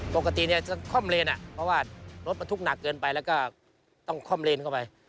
ปกติเนี่ยจะค่อมเลนเพราะว่ารถบรรทุกหนักเกินไปแล้วก็ต้องค่อมเลนเข้าไป